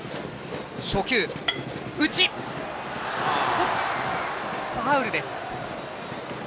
初球、ファウルです。